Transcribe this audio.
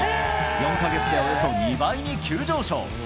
４か月でおよそ２倍に急上昇。